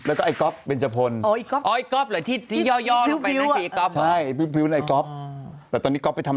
เอาจริงพี่หนุ่ม